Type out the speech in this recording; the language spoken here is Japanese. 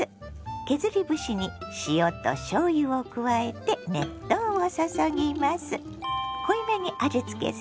削り節に塩としょうゆを加えて熱湯を注ぎます。